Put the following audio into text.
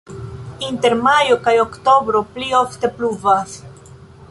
Inter majo kaj oktobro pli ofte pluvas.